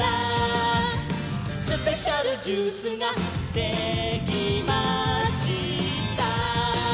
「スペシャルジュースができました」